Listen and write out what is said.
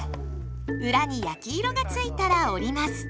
裏に焼き色がついたら折ります。